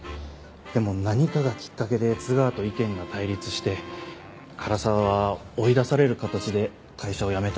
でも何かがきっかけで津川と意見が対立して唐沢は追い出される形で会社を辞めたって聞きました。